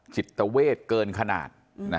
จิตเตอร์เวทย์เกินขนาด